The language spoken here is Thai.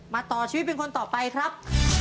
ต่อชีวิตเป็นคนต่อไปครับ